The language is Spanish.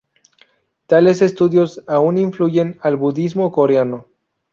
Tales estudios aún influyen al budismo coreano.